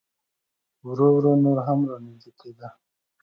ورو ورو نور هم را نږدې کېده.